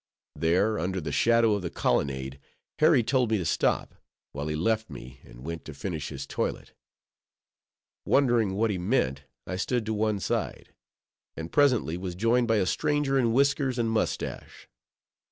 There, under the shadow of the colonnade, Harry told me to stop, while he left me, and went to finish his toilet. Wondering what he meant, I stood to one side; and presently was joined by a stranger in whiskers and mustache.